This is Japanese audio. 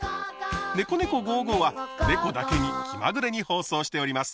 「ねこねこ５５」はねこだけに気まぐれに放送しております。